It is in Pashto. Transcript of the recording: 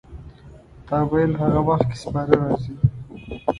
تا ویل هغه وخت کې سپاره راځي.